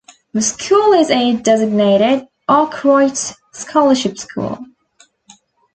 The school is a designated Arkwright Scholarship School.